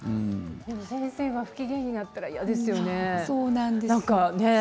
先生が不機嫌になったら嫌ですよね。